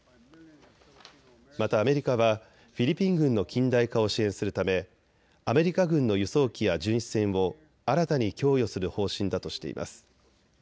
またアメリカはフィリピン軍の近代化を支援するためアメリカ軍の輸送機や巡視船を新たに供与する方針だとしています。